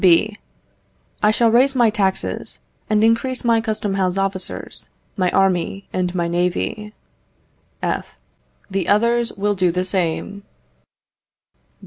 B. I shall raise my taxes, and increase my custom house officers, my army, and my navy. F. The others will do the same.